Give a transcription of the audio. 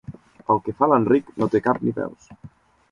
El que fa l'Enric no té ni cap ni peus.